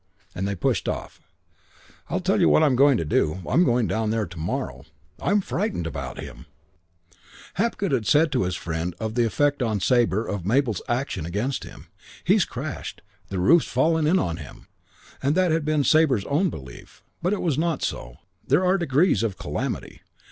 "And they pushed off. "I tell you what I'm going to do. I'm going down there to morrow. I'm frightened about him." CHAPTER IV I Hapgood had said to his friend of the effect on Sabre of Mabel's action against him: "He's crashed. The roof's fallen in on him." And that had been Sabre's own belief. But it was not so. There are degrees of calamity.